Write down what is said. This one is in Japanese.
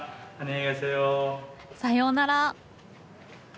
さようなら。